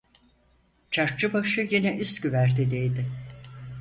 Çarkçıbaşı yine üst güvertedeydi.